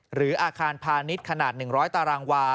หรืออาคารพาณิชย์ขนาด๑๐๐ตารางวา